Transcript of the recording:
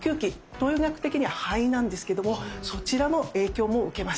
東洋医学的には「肺」なんですけどもそちらの影響も受けます。